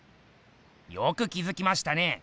よく気づきましたね。